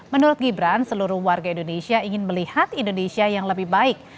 menurut gibran seluruh warga indonesia ingin melihat indonesia yang lebih baik